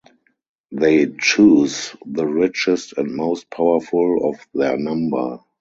They choose the richest and most powerful of their number.